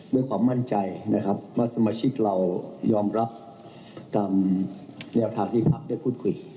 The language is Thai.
ด้วยความมั่นใจนะครับว่าสมาชิกเรายอมรับตามแนวทางที่พักได้พูดคุย